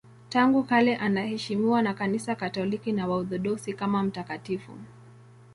Tangu kale anaheshimiwa na Kanisa Katoliki na Waorthodoksi kama mtakatifu.